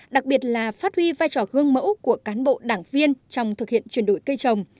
đặc biệt là phát huy vai trò gương mẫu của cán bộ đảng viên trong thực hiện chuyển đổi cây trồng